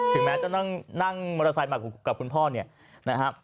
แม้จะนั่งมอเตอร์ไซค์มากับคุณพ่อเนี่ยนะครับ